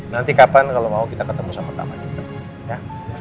nanti kapan kalau mau kita ketemu sama kamarnya